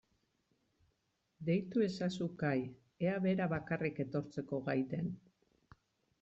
Deitu ezazu Kai ea bera bakarrik etortzeko gai den.